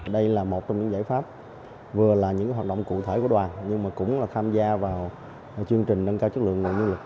đây là một trong những giải pháp vừa là những hoạt động cụ thể của đoàn nhưng mà cũng là tham gia vào chương trình nâng cao chất lượng nguồn nhân lực